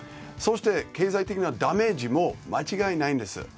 そして経済的なダメージも間違いないんです。